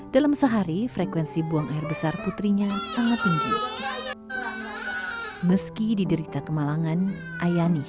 dalam sehari frekuensi buang air besar putrinya sangat tinggi meski diderita kemalangan ayani